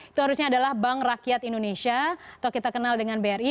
itu harusnya adalah bank rakyat indonesia atau kita kenal dengan bri